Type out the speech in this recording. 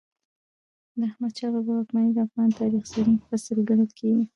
د احمد شاه بابا واکمني د افغان تاریخ زرین فصل ګڼل کېږي.